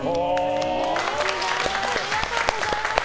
ありがとうございます。